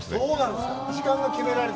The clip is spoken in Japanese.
時間が決められて？